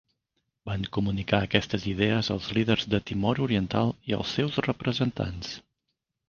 Van comunicar aquestes idees als líders de Timor Oriental i als seus representants.